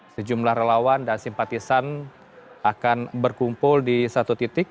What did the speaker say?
sejumla relawan dan simpatisan akan berkumpul disatu titik